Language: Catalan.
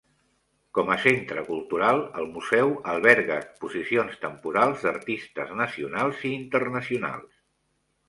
Com a centre cultural el museu alberga exposicions temporals d'artistes nacionals i internacionals.